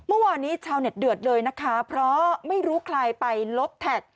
เมื่อวานนี้ชาวเน็ตเดือดเลยนะคะเพราะไม่รู้ใครไปลบแท็ก